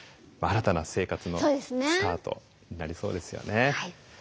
新たな生活のスタートになりそうですよね。